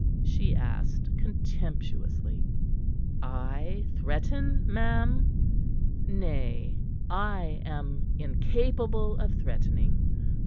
she asked contemptuously. "I threaten, ma'am? Nay, I am incapable of threatening.